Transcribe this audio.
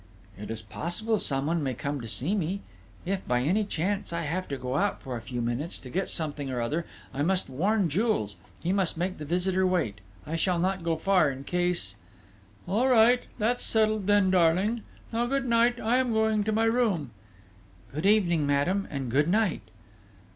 "It is possible someone may come to see me.... If by any chance I have to go out for a few minutes, to get something or other, I must warn Jules: he must make the visitor wait: I shall not go far in case..." "All right! That's settled then, darling. Now, good night, I am going to my room." "Good evening, madame, and good night!"